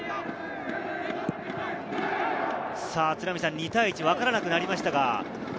２対１、わからなくなりました。